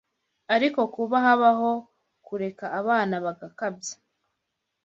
ariko kuba habaho kureka abana bagakabya